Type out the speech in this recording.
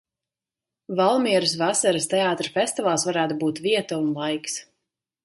Valmieras vasaras teātra festivāls varētu būt vieta un laiks.